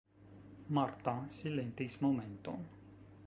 Marta silentis momenton.